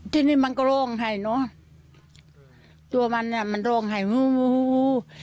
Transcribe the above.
ที่นี่มันก็โรงไห้เนอะตัวมันมันโรงไห้ฮู้ฮู้